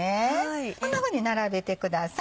こんなふうに並べてください。